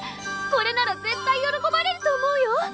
これなら絶対喜ばれると思うよ！